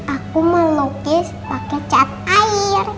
aku melukis pakai cat air